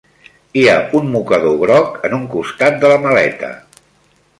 Hi ha un mocador groc en un costat de la maleta.